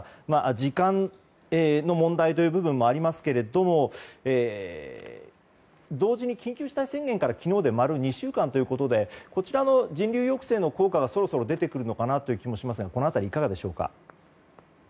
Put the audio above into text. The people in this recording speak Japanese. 時間の問題という部分もありますけれども同時に緊急事態宣言から昨日で丸２週間ですがこちらの人流抑制の効果がそろそろ出てくる気もしますがこの辺り、いかがでしょうか？